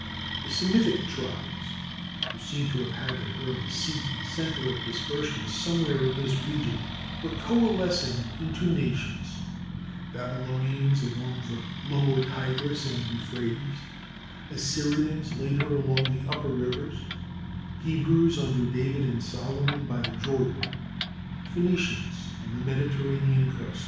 The Semitic tribes, who seem to have had their early seat and centre of dispersion somewhere in this region, were coalescing into nations, Babylonians along the lower Tigris and Euphrates, Assyrians later along the upper rivers, Hebrews under David and Solomon by the Jordan, Phoenicians on the Mediterranean coast.